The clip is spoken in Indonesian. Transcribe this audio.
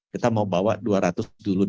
kita mau bawa dua ratus dulu